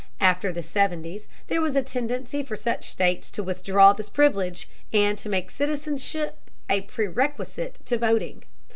After the seventies there was a tendency for such states to withdraw this privilege, and to make citizenship a prerequisite to voting.